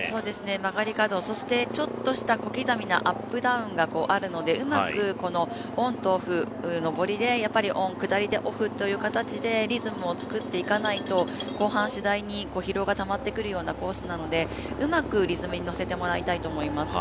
曲がり角、ちょっとした小刻みなアップダウンがありますのでうまくオンとオフ、上りでオン下りでオフという形でリズムを作っていかないと後半、しだいに疲労がたまってくるコースなので、うまくリズムに乗せてもらいたいと思います。